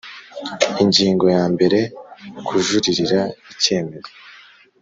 Ingingo ya mbere Kujuririra icyemezo